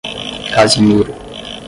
Casimiro